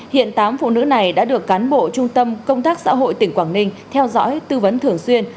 hiện tám phụ nữ này đã được cán bộ trung tâm công tác xã hội tỉnh quảng ninh theo dõi tư vấn thường xuyên